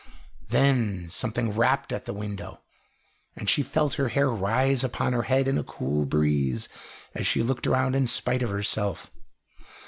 Then something rapped at the window, and she felt her hair rise upon her head in a cool breeze, as she looked around in spite of herself.